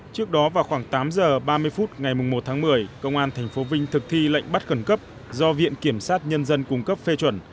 trước đó vào khoảng tám h ba mươi phút ngày một tháng một mươi công an tp vinh thực thi lệnh bắt khẩn cấp do viện kiểm sát nhân dân cung cấp phê chuẩn